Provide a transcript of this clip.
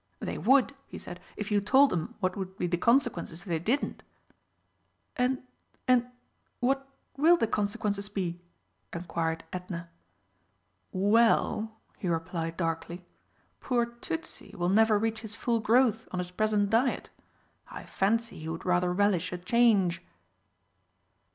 "They would," he said, "if you told them what would be the consequences if they didn't." "And and what will the consequences be?" inquired Edna. "Well," he replied darkly, "poor Tützi will never reach his full growth on his present diet. I fancy he would rather relish a change."